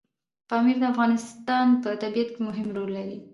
پامیر د افغانستان په طبیعت کې مهم رول لري.